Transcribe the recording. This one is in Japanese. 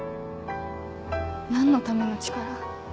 何のための力？